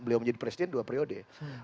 beliau menjadi presiden dua periode